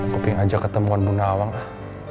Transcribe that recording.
gapapa yang ajak ketemuan bu nawang lah